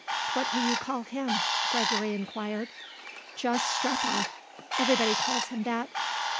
"What do you call him?" Gregory inquired. "Just Strepoff; everybody calls him that.